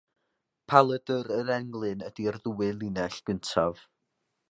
Paladr yr englyn ydy'r ddwy linell gyntaf.